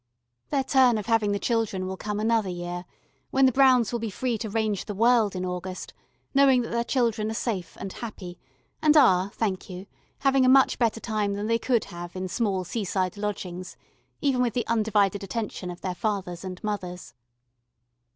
Their turn of having the children will come another year, when the Browns will be free to range the world in August, knowing that their children are safe and happy and are, thank you, having a much better time than they could have in small seaside lodgings, even with the undivided attention of their fathers and mothers.